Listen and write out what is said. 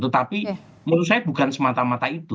tetapi menurut saya bukan semata mata itu